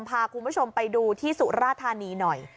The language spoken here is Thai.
พาคุณผู้ชมไปดูที่สุราธานีหน่อย